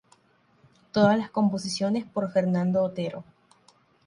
Todas las composiciones por Fernando Otero.